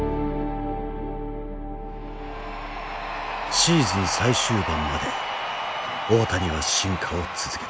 シーズン最終盤まで大谷は進化を続けた。